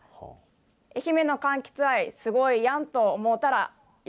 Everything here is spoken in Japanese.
愛媛のかんきつ愛すごいやんと思ったら、よ